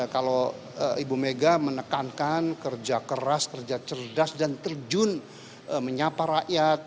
kalau ibu mega menekankan kerja keras kerja cerdas dan terjun menyapa rakyat